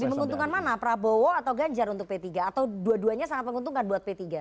lebih menguntungkan mana prabowo atau ganjar untuk p tiga atau dua duanya sangat menguntungkan buat p tiga